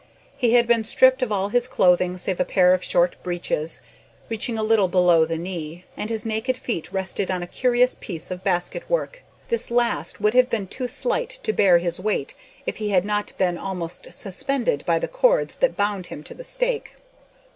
He had been stripped of all clothing save a pair of short breeches, reaching a little below the knee, and his naked feet rested on a curious piece of basketwork. This last would have been too slight to bear his weight if he had not been almost suspended by the cords that bound him to the stake.